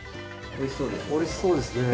美味しそうですね。